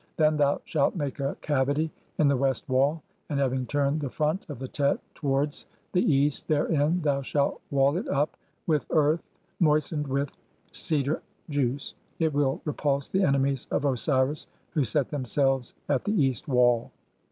THEN THOU SHALT MAKE A CAVITY IN THE WEST WALL, AND, HAVING [TURNED] THE FRONT OF THE TET TO WARDS THE EAST [THEREIN] THOU SHALT WALL IT UP WITH EARTH MOIST ENED WITH (42) CEDAR JUICE (?). IT WILL REPULSE THE ENEMIES OF OSIRIS WHO SET THEMSELVES AT THE EAST WALL.